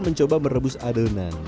mencoba merebus adonan